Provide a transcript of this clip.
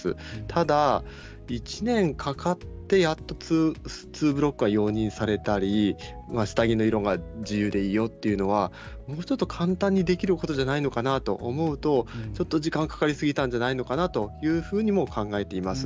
ただ１年かかってツーブロックが容認されたり下着の色が自由でいいよというのは、もうちょっと簡単にできることじゃないかなと思うとちょっと時間がかかりすぎたんじゃないかなというふうにも考えています。